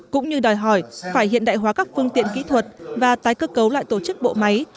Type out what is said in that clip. cũng như đòi hỏi phải hiện đại hóa các phương tiện kỹ thuật và tái cơ cấu lại tổ chức bộ máy